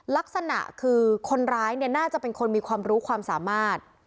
ลักษณะคือคนร้ายเนี่ยน่าจะเป็นคนมีความรู้ความสามารถ